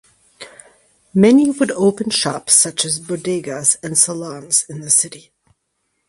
Many would open shops such as bodegas and salons in the city.